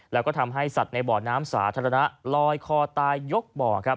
แล้วก็ทำให้สัตว์ในบ่อน้ำสาธารณะลอยคอตายยกบ่อครับ